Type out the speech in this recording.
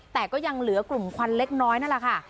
แต่ก็ยังเหลือกลุ่มควันเล็กน้อยนั่นแหละค่ะ